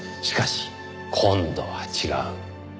しかし今度は違う。